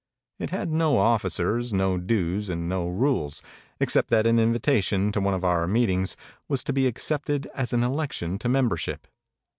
It had no offi cers, no dues, and no rules, except that an invitation to one of our meetings was to be ac cepted as an election to membership.